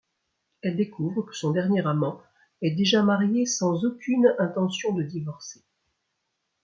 Elle découvre que son dernier amant est déjà marié sans aucune intention de divorcer.